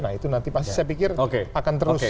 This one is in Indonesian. nah itu nanti pasti saya pikir akan terus